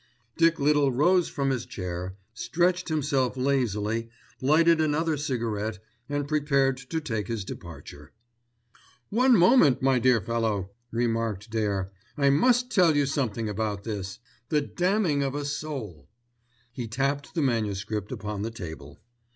Dick Little rose from his chair, stretched himself lazily, lighted another cigarette and prepared to take his departure. "One moment, my dear fellow," remarked Dare, "I must tell you something about this, The Damning of a Soul." He tapped the manuscript upon the table.